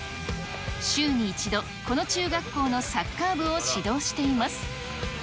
週に１度、この中学校のサッカー部を指導しています。